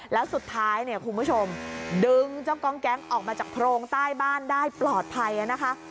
แล้วสุดท้ายเนี่ยคุณผู้ชมดึงเจ้ากองแก๊งออกมาจากโพรงใต้บ้านได้ปลอดภัยนะคะ